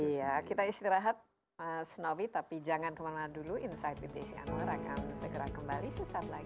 iya kita istirahat mas novi tapi jangan kemana mana dulu insight with desi anwar akan segera kembali sesaat lagi